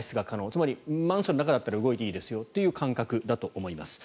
つまり、マンションの中だったら動いていいですよという感覚だと思います。